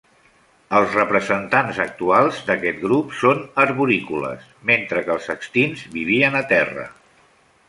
Els representants actuals d'aquest grup són arborícoles, mentre que els extints vivien a terra.